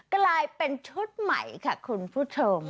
กลายเป็นชุดใหม่ค่ะคุณผู้ชม